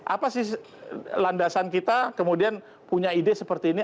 apa sih landasan kita kemudian punya ide seperti ini